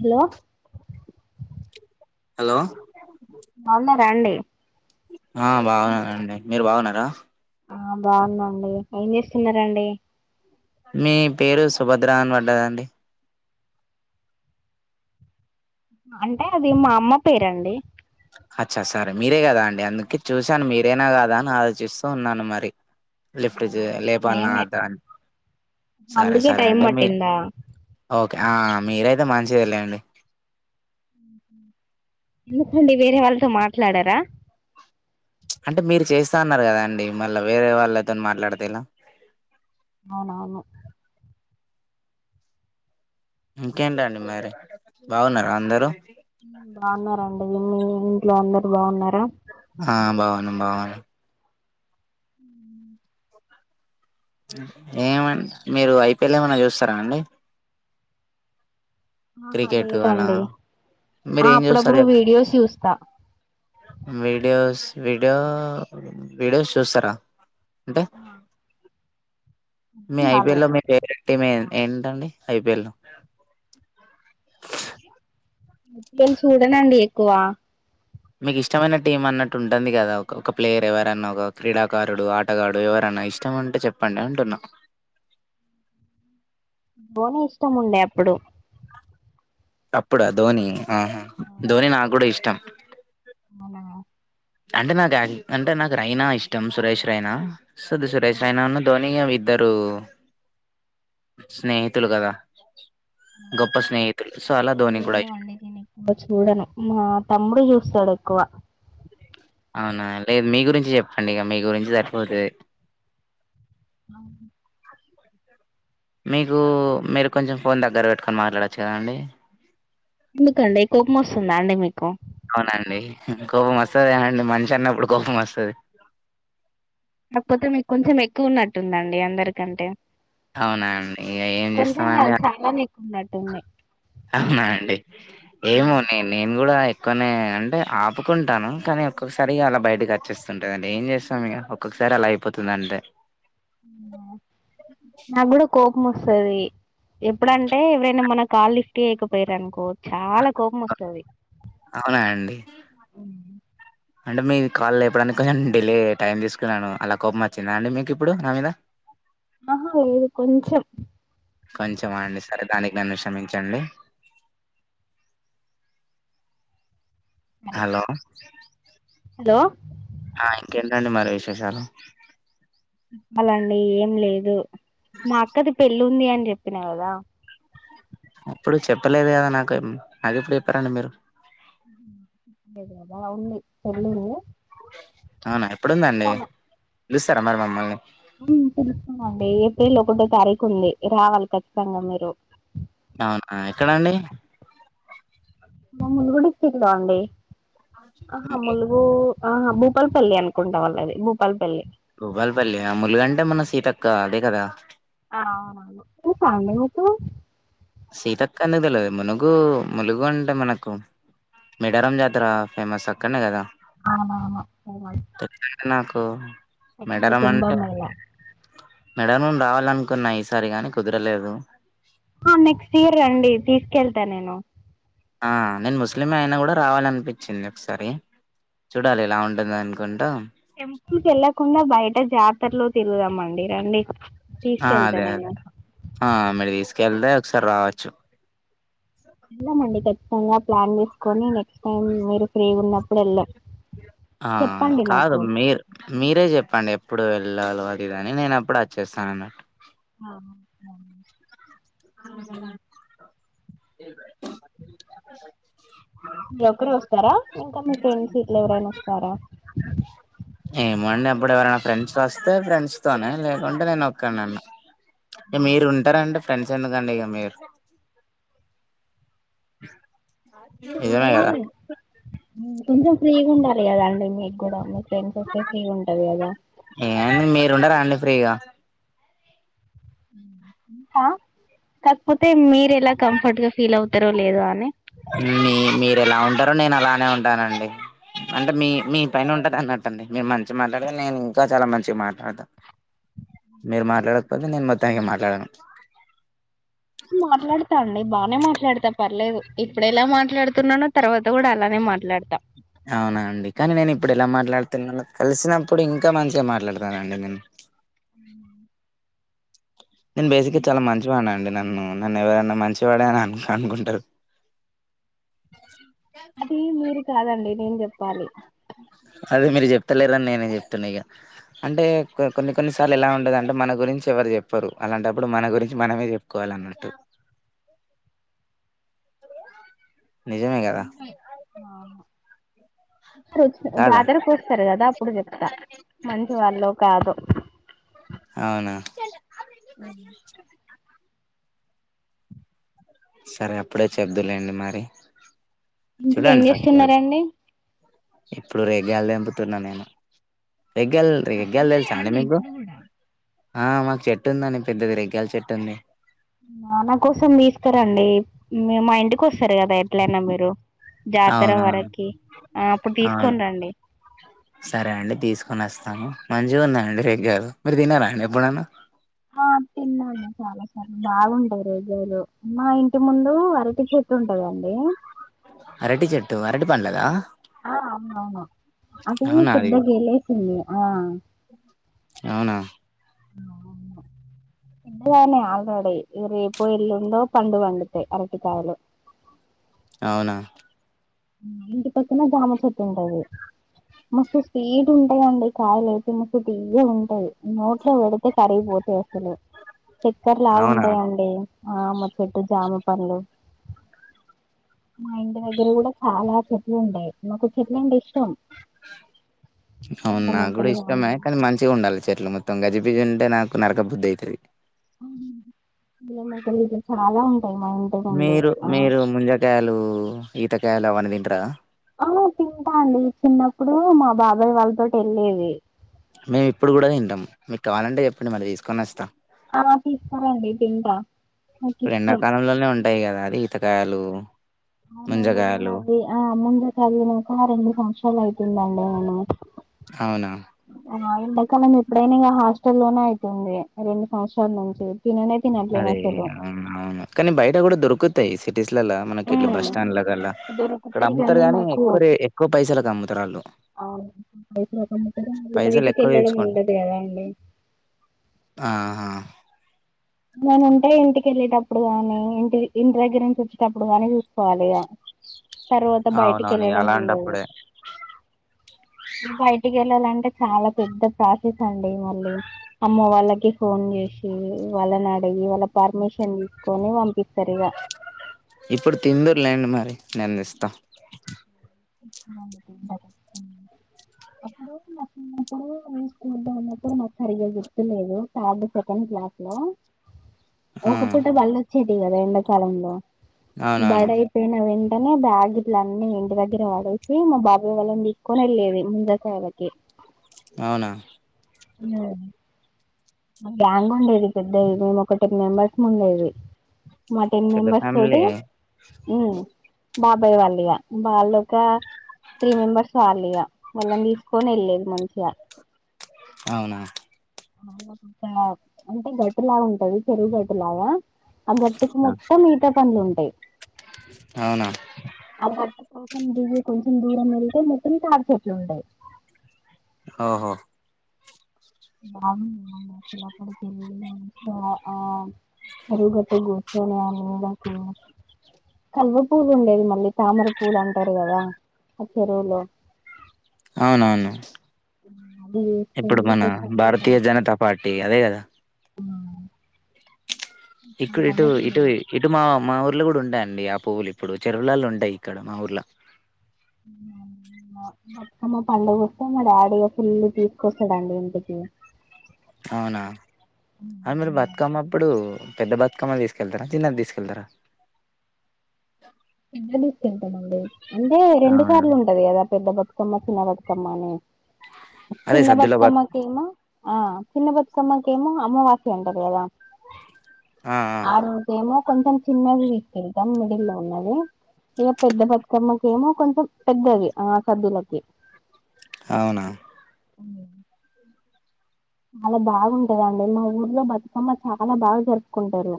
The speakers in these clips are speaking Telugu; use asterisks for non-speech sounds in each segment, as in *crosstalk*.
హలో హలో బావుగున్నారా అండి ఆ బాగున్నండి మీరు బాగున్నారా ఆ బాగుందండి ఏం చేస్తున్నారండి మీ పేరు సుభద్రా అని పడ్డదండి అంటే అది మా అమ్మ పేరండి అచ్చ సరే మీరే కదా అండి అందుకే చూశాను మీరేనా కదా అని ఆలోచిస్తూ ఉన్నాను మరి లిఫ్ట్ అవునా చెయ్ లేపాలనా నేనే వద్ద సరే అందుకే సరే టైం అండి మీ పట్టిందా ఓకే ఆ మీరైతే మంచిదే లెండి ఎందుకండి వేరే వాళ్ళతో మాట్లాడారా అంటే మీరు చేస్తా ఉన్నారు కదా అండి మళ్ళీ వేరే వాళ్ళు అల్లతోని మాట్లాడతే ఏలా అవునవును ఇంకేంటండి మరి బాగున్నారా అందరూ ఆ బాగున్నారండి మీ ఇంట్లో అందరు బాగున్నారా ఆ బాగున్నాం బాగానే ఏమడి మీరు ఐపీఎల్ ఏమనా చూస్తారా అండి ఆహా క్రికెట్ అలా లేదండి మీరు ఆ ఏం చూస్తారు అప్పుడప్పుడు చెప్పండి వీడియోస్ చూస్తా వీడియోస్ వీడియో వీడియోస్ చూస్తారా అంటే ఆ మీ ఐ పి ఎల్ ల మీ ఫేవరెట్ టీం ఏంటండి. ఐ పి ఎల్ నేను చూడనండి ఎక్కువా. మీకు ఇష్టమైన టీమ్ అన్నట్టు ఉంటుంది కదా ఒక ఒక ప్లేయర్ ఎవరన్నా ఒక క్రీడాకారుడు, ఆటగాడు ఎవరన్నా ఇష్టం ఉంటే చెప్పండి అంటున్నా. ధోని ఇష్టం ఉండే అప్పుడు. అప్పుడా ధోని, ఆహా ధోని నాకు కూడా ఇష్టం. అవునా. అంటే నాకు అంటే నాకు రైనా ఇష్టం, సురేష్ రైనా. సద్ సురేష్ రైనా అన్న ధోని అ వి ఇద్దరూ స్నేహితులు కదా. గొప్ప స్నేహితులు సో అలా ధోని కూడా ఏమో ఇష్టం. అండి నేను ఎక్కువ చూడను. మా తమ్ముడు చూస్తాడు ఎక్కువ. అవునా అండి. మీ గురించి చెప్పండి. ఇగ మీ గురించి సరిపోతది. ఆ మీకూ. మీరు కొంచెం ఫోన్ దగ్గర పెట్టుకొని మాట్లాడచ్చుకదాండి. ఎందుకండి. కోపం వస్తుందా అండి మీకు. అవునండి. కోపం వస్తది కదా అండి మనిషి అన్నప్పుడు కోపం వస్తది. క్కువ ఉన్నట్టుందండి అందరికంటే. అవునా అండి. ఇగ ఏం కొంచెం చేస్తామండి కాదు ఆ చాలానే ఎక్కువ ఉన్నట్టుంది అవునా అండి. ఏమో న నేను కూడా కొన్ని అంటే ఆపుకుంటాను. కానీ ఒక్కొక్కసారి అలా బయటకి వచ్చేస్తుంటాంది. ఏం చేస్తాం ఇగ ఒక్కొక్కసారి అలా అయిపోతుంది అంతే. నా కూడా కో పం వస్తది. ఎప్పుడంటే ఎవరైనా మన కాల్ లీ తేకపోయీరు అనుకో చాలా కోపం వస్తది. అవునా అండి అవునా అంటే మీ కాల్ లేపడానికి కొంచెం డిలే టైం తీసుకున్నాను. అలా కోపం వచ్చిందా అండి మీకు ఇప్పుడు నా మీద. ఆహా లేదు. కొంచెం కొంచెం ఆ అండి. సరే దానికి నన్ను క్షమించండి. సరే హలో హలో ఆ ఇంకేం కాండి మరి విశేషాలు. అలా అండి ఏం లేదు మా అక్కది పెళ్ లుంది అని జెప్పిన కదా అప్పుడు చెప్పలేదు కదా నాకు అదెప్పుడు చెప్పారండి మీరు *inaudible* ఉండేది కదా ఆ ఉంది పెళ్ళిలో అవునా ఎప్పుడుందండి పిలుస్తారా మరి మమ్మల్ని మ్మ్ పిలుస్తామండి ఏప్రిల్ ఒకటో తారీఖు ఉంది రావాలి ఖచ్చితంగా మీరు అవునా ఎక్కడండి మమ్ములు గుడిక్ ఇక్కడ అండి ఆహా ములుగు ఆ భూపల్పల్లి అనుకుంటా వాళ్ళు అది భూపల్పల్లి బూపల్పల్లి ములుగంటే మన సీతక్క అదే కదా ఆ అవునవును *inaudible* సీతక్క నే తెలివదు మునుగు ములుగు అంటే మనకు మిడారం జాతర ఫేమస్ అక్కడనే కదా అవునవును పోవద్ తెలుసండి నాకు సెకండ్ కుంభ మేళ మెడ ను రావాలనుకున్నాయ్ ఈసారి గాని కుదరలేదు నెక్స్ట్ ఇయర్ రండి తీసుకెళ్తా నేను ఆ నేను ముస్లిం అయినా కూడా రావాలనిపిచింది ఒకసారి చూడాలి ఎలా ఉంటుంది అనుకుం టెంపుల్కి వెళ్ళకుండా బయట జాతరలో తిరుగుదామండి రండి ఆ తీసుకెళ్తా అదే నేను అదే ఆ మెడది కెల్దే ఒకసారి రావచ్చు వెళ్ళమండి ఖచ్చితంగా ప్లాన్ చేసుకొని కన్ మీరు ఫ్రీ గున్నప్ ప్పుడలా ఆ కాదు మీరు మీరే చెప్పండి ఎప్పుడు వెళ్ళాలో అది గాని నేనప్పుడు వచ్చేస్తాను ఆ మోని *inaudible* మీరొకరు వస్తారా ఇంకా మీ ఫ్రెండ్స్ గిట్ల ఎవరైనా వస్తారా ఏమండి అప్పుడు ఎవరైనా ఫ్రెండ్స్ వస్తే ఫ్రెండ్స్ తోనే లేకుంటే నేను ఒక్కనన్న మీరు ఉంటారండి ఫ్రెండ్సే కదా అండి మీరు అంటే నిజమే కదా కొంచెం ఫ్రీగా ఉండాలి కదా అండి మీకు కూడా ఫ్రెండ్స్ వస్తే ఫ్రీగా ఉంటది కదా ఏమండి మీరు ఉండరా అండి ఫ్రీగా ఆ కాకపోతే మీ ఎలా కంఫర్ట్ గా ఫీల్ ఇత్తర లేదు అని మీ మీరు ఎలా ఉంటారో నేను అలానే ఉంటానండి అంటే మీ మీ పైన ఉంటది అన్నట్టుండి మీరు మంచి మాట్లాడ నేను ఇంకా చాలా మంచిగా మాట్లాడతాను మీరు మాట్లాడకపోతే నేను మొత్తానికి మాట్లాడలను మాట్లాడతా అండి బానే మాట్లాడతా పర్లేదు ఇప్పుడు ఎలా మాట్లాడుతున్నానో తర్వాత కూడా అలానే మాట్లాడతా అవునా అండి కానీ నేను ఇప్పుడు ఎలా మాట్లాడుతున్నాను కలిసినప్పుడు ఇంకా మంచిగా మాట్లాడతానండి నేను ఉ నేను బేసిక్ గా చాలా మంచివాన్ని అండి నన్ను ఎవరైనా మంచివాడే అని అను అనుకుంటారు అదే మీరు కాదండి నేను చెప్పాలి అదే మీరు చెప్తలేరని నేనే చెప్తున్నా ఇక అంటే కొన్ని కొన్నిసార్లు ఎలా ఉండదు అంటే మన గురించి ఎవరు చెప్పరు అలాంటప్పుడు మన గురించి మనమే చెప్పుకోవాల అన్నట్టు నిజమే కదా ఆహా కాదా జాతరకు వస్తారు కదా అప్పుడు చెప్తా మంచి వాళ్ళో కాదో అవునా అ సరే అప్పుడే చెప్తుర్లేండి మరి ఇంట్లో ఏం చూడండి ఫస్ట్ చేస్తున్నండి ఇప్పుడు రేగ్గాయలు తెంపుతున్న నేను రేగ్గాయ్ ఎగల్ ఎల్ ఉన్నాయా సా అణ అండి మ్ ఇప్పుడు కూడా ఆ మాకు చెట్టు ఉందండి పెద్దది రేగ్గాయల చెట్టు ఉంది ఆ నా కోసం తీస్ వస్తారండీ మీరు మా ఇంటికి వస్ వస్తారు కదా ఎట్లయినా మీరు జాతర అవునవును వరకి ఆ అప్పుడు అవును తీసుకోని రండి సరే అండి తీసుకొని వస్తాను మంచిగా ఉందండి రెగ్గాయలు మీరు తిన్నారా అండి ఎప్పుడైనా ఆ తిన్నాండి చాలా సార్లు బాగుంటాయి రేగ్గాయలు మా ఇంటి ముందు అరటి చెట్టు ఉంటదండి అరటి చెట్టు అరటి పండ్లదా ఆ అవును అవును అది పెద్ద గెల వేసింది ఆ అవునా ఇదినే ఆల్రెడీ ఇ రేపో ఇల్లుండో పండు పండుతాయి అరటి కాయలు అవునా ఇంటి పక్కన జామ చెట్టు ఉంటుంది మస్తు స్వీట్ ఉంటాయండి కాయలు అయితే మస్తు తీయగా ఉంట ఉంటాయి న వోడుకు కరగి పోతే ఉల చక్కెర లా అవునా ఉంటాయండి. ఆ మా చెట్టు జామ పండ్లు మా ఇంటి దగ్గర కూడా చాలా చెట్లుంటాయి నాకు చెట్లంటె ఇష్టం అవును పూల నాకు కూడా మొక్కలు ఇష్టమే కానీ మంచిగా ఉండాలి చెట్లు మొత్తం గజి బి బిజి ఉంటే నాకు నరక బుద్ధి అయితది ఇగా మ గల్లి ల చాల మీరు మీరు ముంజకాయలు ఈతకాయలు అవ్వన్నీ తింటరా ఆ తింటా అండి. చిన్నప్పుడు మా బాబాయ్ వాళ్ళతోటి ఏళ్ళేది మేము ఇప్పుడు కూడా తింటాము. మీకు కావాలంటే చెప్పండి మరి తీసుకొని అస్త ఆ తీస్తారండి. తింట నాకిష్టం పుచ్చ కాయాలు అవునండి. నేను అవ్వి ఆ ముందు చదివినక రెండు సంవత్సరాలు అయిత్ తిందండి నేను అవునా ఆ ఎండా కాలం ఎప్పుడైనా హాస్టల్ లోనే అవుతుంది రెండు సంవత్సరాల నుంచి తిననే తినట్లేను అరే అసలు అవును అవును కానీ బయట కూడా దొరుకుత్ తాయి సి టీస్ లల్ల మనకి ఇట్లా ఉమ్ బస్ స్టాండ్లకల్లా ఇక్కడ దొరుకుతాయి అమ్ముతారు. కానీ గాని మాకు ఎక్కువ రే ఎక్కువ పైసలకు అమ్ముతారు. వాళ్ళు పైసలు కమ్ముతారు, అది పైసలు బయటికి ఎక్కువ వెళ్ళడం తెచ్చుకోంట ఉండదు కదా అండి ఆహా నేను ఉంటే ఇంటి కేళ్ళేటప్పుడు గాని ఇంటి ఇంటి దగ్గర నుంచి వచ్చేటప్పుడు గాని తెచ్చు సుకోవాలి ఇగ తర్వాత బయటికి అవునవును ఇగ వెళ్ళడం ఉండదు అలాంటప్పుడే బయటికి ఏళ్ళాలం టె చాలా పెద్ద ప్రాసెస్ అండి. మళ్ళీ అమ్మ వాళ్ళకి ఫోన్ చేస్డు వాళ్ళని అడిగి వాళ్ళ పర్మిషన్ తీసుకొని పంపిస్త ఇప్పుడు తిందూరు లెండి మరి నేన్ దే స్తా *inaudible* అప్పుడు నాకున్నప్పుడు మే స్కూల్ లో ఉన్నప్పుడు నాకు సరిగా చెప్తులేదు థర్డ్ సెకండ్ క్లాస్ ల ఆ ఒక్కపూట వాళ్ళ చెటి కాద ఎండకాలంలో అవునవును బాడి అయిపోయిన వెం అనే బగిట్ల అన్నీ ఎందుకం దగ్గర వాడేసి మా బాబాయ్య వాళ్ళని తీసుకొని ఏల్లేది ముంజకాయాలకి అవునా ఆ మ బాగుండేది పేద్ద ఏదో కొక్కటి మెంబెర్స్ ముండేది మా టెన్ పెద్ద మెంబర్స్ ఫ్యామిలీ తోటి ఉ బాబాయ్ వాళ్ళిగా వాళ్ళు ఒక త్రీ మెంబర్స్ వాళ్ళిగా వాళ్ళని తీసుకొని వెళ్ళేది మంచిగా అవునా అంటే గట్టులా ఉంటంది చెరువు గట్టు లాగా ఆ గట్టుకు ఆ! మొత్తం ఈత పండ్లు ఉంటయి అవునా ఆ గట్టు కొంచెం దూరం వెళితే మొత్తం తాడిచేట్లు ఉంటాయ్ ఓహో బాగుంటది అసలక్కడ ఆ చేరువుగట్టు కూర్చొని ఆ మూలకు కల్వ పూలు ఉండేది మళ్ళీ తామర పూలు అంటారు కదా ఆ చెరువులో అవునవును అది ఇప్పుడు వేసుకుంటే మన భారతీయ ప్రశాంతంగా జనతా పార్టీ అదే కదా ఇక్కడ ఇటు ప్రశాంతంగా ఇటు తినేది ఇటు మా మా ఊర్లు కూడా ఉండే అండి ఆ పువ్వులు ఇప్పుడు చెరువులల్ల ఉంటాయి ఇక్కడ మా ఊర్ల బతుకమ్మ పండుగ వస్తే మా డాడీ ఇగా ఫుల్ తీసుకొస్తాడండి ఇంటికి అవునా అది మీరు అవునండి. బతుకమ్మ అప్పుడు పెద్ద బతుకమ్మ తీసుకెళ్తారా చిన్నది తీసుకెళ్తారా పెద్దది తీసుకెళ్తామండి అంటే రెండు అవునా సార్లు ఉంటది కదా పెద్ద బతుకమ్మ కమ్మ అదే చిన్న సద్దుల బతుకమ్మ బత్ నే చిన్న బతుకమ్మకేమో ఆ చిన్న బతుకమ్మకెమో అమావాస్య అంటరు కదా ఆ రోజేమో కొంచెం చిన్నది తీసుకెళ్తాం మిడిల్ లో ఉన్నది ఇక పెద్ద బతుకమ్మకి ఏమో కొంచెం పెద్దది ఆ సద్దులకి అవునా చాలా బాగుంటది అండి మా ఊర్లో బతుకమ్మ చాలా బాగా జరుపుకుంటారు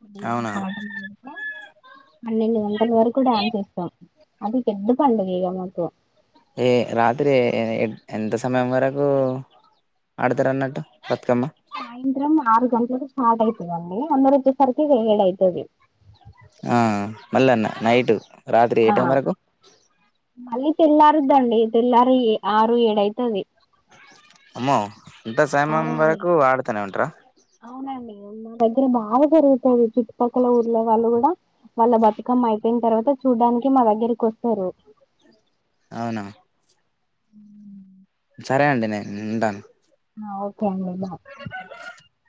గుడ్ ఈవెనింగ్ అవునా పాడడం తెలుసా అన్నలు గా వరకు డాన్స్ చేస్తాం అది పెద్ద పండగే ఇగా మాకు ఏ రాత్రి ఎ ఎంత సమయం వరకు ఆడతారు అన్నట్టు బతుకమ్మ సాయంత్రం ఆరు గంటలకు స్టార్ట్ అయితది అండి అందరు వచ్చే సరికి ఏడు అయితది ఆ మళ్ల నైట్ రాత్రి ఏ ఆ టైం వరకు మళ్ళీ తెల్లారుద్దండి తెల్లారి ఆరు ఏడు అయితది అమ్మో ఇంత సమయం అవునా వరకు ఆడుతానే ఉంటార అవునండి మా దగ్గర బాగా జరుగుతది చుట్టుపక్కల ఊర్ల వాళ్ళు కూడా వాళ్ళ బతుకమ్మ అయిపోయిన తర్వాత చూడ్డానికి మా దగ్గరకి వస్తారు ఔన *inaudible* సరే అండి నెన్ ఉంటాను *inaudible* *inaudible*